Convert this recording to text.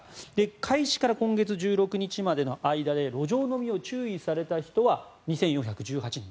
開始から今月１６日までの間で路上飲みを注意された人は２４１８人。